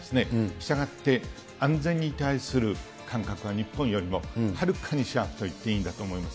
したがって、安全に対する感覚が日本よりもはるかにシャープといっていいんだと思います。